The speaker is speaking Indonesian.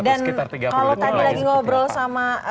dan kalau tadi lagi ngobrol sama